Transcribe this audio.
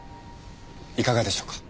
いかがでしょうか？